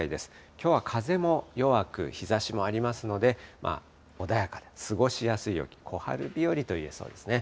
きょうは風も弱く、日ざしもありますので、穏やかで過ごしやすい陽気、小春日和といえそうですね。